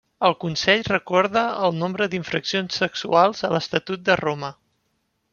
El Consell recorda el nombre d'infraccions sexuals a l'Estatut de Roma.